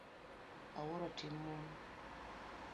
Awuoro tim mon.